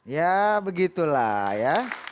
ya begitulah ya